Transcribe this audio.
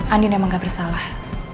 andin emang gak bersalah